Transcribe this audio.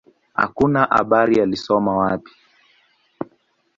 Hakuna habari alisoma wapi.